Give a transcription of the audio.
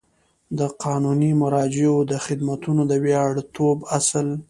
د قانوني مراجعو د خدمتونو د وړیاتوب اصل